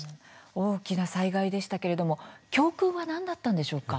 大きな災害でしたけれども教訓は何だったのでしょうか。